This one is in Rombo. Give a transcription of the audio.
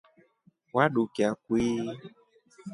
Wadukia kwii?